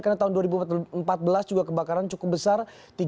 karena tahun dua ribu empat belas juga kebakaran cukup besar